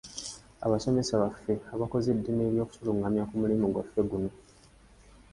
Abasomesa baffe abakoze eddimu ery’okutulungamya ku mulimu gwaffe guno.